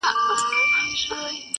• ښکاري و ویل که خدای کول داغه دی..